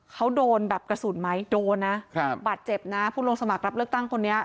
เขาโดนแบบกระสุนไหมโดนนะครับบาดเจ็บนะผู้ลงสมัครรับเลือกตั้งคนนี้